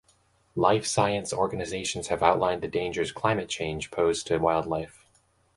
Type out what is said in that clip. Life science organizations have outlined the dangers climate change pose to wildlife.